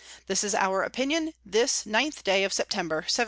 This is our Opinion this 9th day of_ September, 1708.